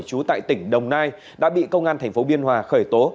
chú tại tỉnh đồng nai đã bị công an thành phố biên hòa khởi tố